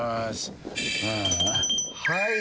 はい。